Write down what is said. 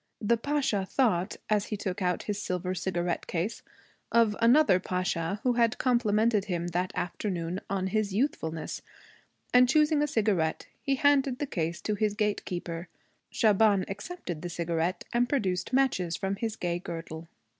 The Pasha thought, as he took out his silver cigarette case, of another pasha who had complimented him that afternoon on his youthfulness. And, choosing a cigarette, he handed the case to his gatekeeper. Shaban accepted the cigarette and produced matches from his gay girdle.